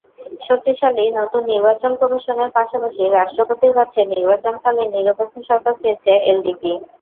শক্তিশালী নতুন নির্বাচন কমিশনের পাশাপাশি রাষ্ট্রপতির কাছে নির্বাচনকালীন নিরপেক্ষ সরকার চেয়েছে এলডিপি।